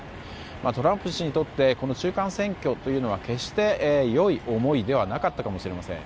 トランプ氏にとってこの中間選挙は決して良い思い出はなかったかもしれません。